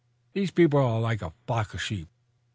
These people are like a flock of sheep.